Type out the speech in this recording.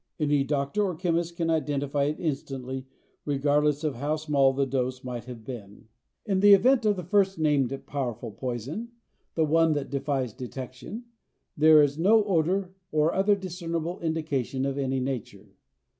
Any doctor or chemist can identify it instantly regardless of how small the dose might have been. In the event of the first named powerful poison the one that defies detection there is no odor or other discernible indication of any nature.